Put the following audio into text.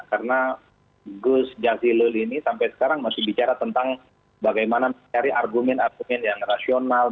karena gus jasilul ini sampai sekarang masih bicara tentang bagaimana mencari argumen argumen yang rasional